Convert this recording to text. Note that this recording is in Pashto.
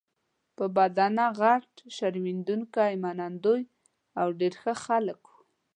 په بدنه غټ، شرمېدونکي، منندوی او ډېر ښه خلک وو.